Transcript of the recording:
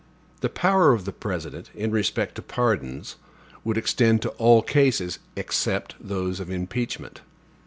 The power of the President, in respect to pardons, would extend to all cases, except those of impeachment.